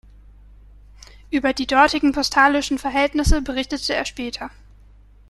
Über die dortigen postalischen Verhältnisse berichtete er später.